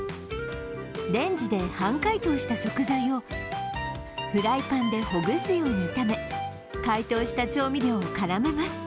レンジで半解凍した食材をフライパンでほぐすように炒め解凍した調味料を絡めます。